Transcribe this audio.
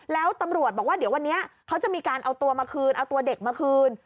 แล้วตำรวจบอกว่าเดี๋ยววันนี้เขาจะมีการเอาตัวมาคืนเอาตัวเด็กมาคืน